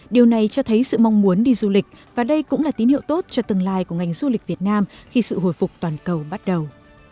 điều này cho thấy sự mong muốn đi du lịch và đây cũng là tín hiệu tốt cho tương lai của ngành du lịch việt nam khi sự hồi phục toàn cầu bắt đầu